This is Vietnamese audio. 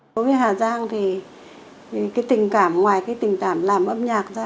đối với hà giang thì cái tình cảm ngoài cái tình cảm làm âm nhạc ra